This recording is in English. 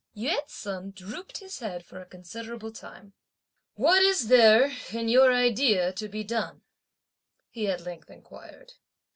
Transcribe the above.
Yü ts'un drooped his head for a considerable time. "What is there in your idea to be done?" he at length inquired.